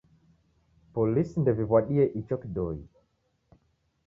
Polisi ndew'iw'adie icho kidoi.